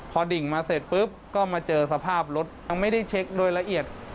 พอดิ่งมาเสร็จปุ๊บก็มาเจอสภาพรถยังไม่ได้เช็คโดยละเอียด